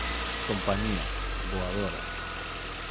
Compañía: Voadora.